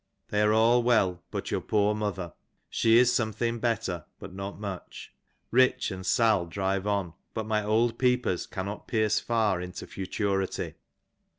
They sire all well but your poor mother ; she is something " better, but uot much. Rich, and Sal. drive on, but my old peepers "cannot pierce far into fiiturity.